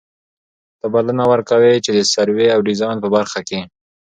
ته بلنه ور کوي چي د سروې او ډيزاين په برخه کي